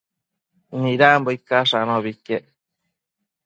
Nidambo icash anobi iquec